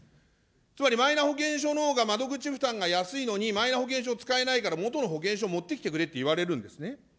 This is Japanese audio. つまり、マイナ保険証のほうが窓口負担が安いのに、マイナ保険証を使えないから、もとの保険証持ってきてくれって言われるんですね。